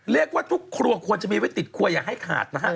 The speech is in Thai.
เรียกว่าทุกครัวควรจะมีไว้ติดครัวอย่าให้ขาดนะฮะ